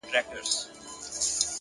هره ورځ د نوې ودې فرصت لري.